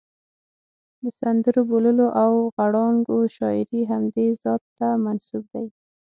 د سندرو، بوللو او غړانګو شاعري همدې ذات ته منسوب دي.